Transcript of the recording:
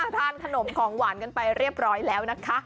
ทานขนมของหวานกันไปเรียบร้อยแล้วนะคะ